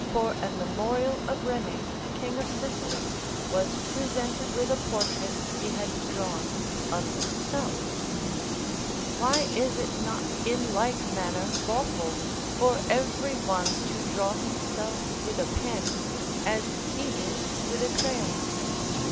for a memorial of Rene, king of Sicily, was presented with a portrait he had drawn of himself: why is it not in like manner lawful for every one to draw himself with a pen, as he did with a crayon?